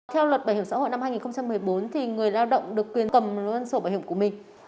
theo luật bảo hiểm xã hội năm hai nghìn một mươi bốn người lao động được quyền cầm luôn sổ bảo hiểm của mình